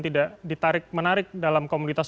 tidak ditarik menarik dalam komunitas